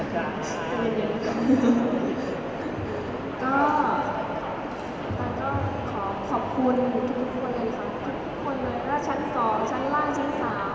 ก็ขอขอบคุณทุกคนเลยค่ะทุกคนเลยว่าชั้น๒ชั้นล่างชั้น๓